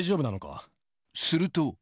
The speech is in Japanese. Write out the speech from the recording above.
すると。